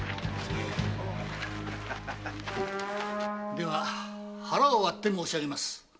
では腹を割って申し上げます。